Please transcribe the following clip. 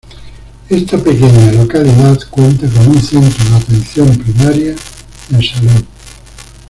Esta pequeña localidad cuenta con un centro de atención primaria en salud.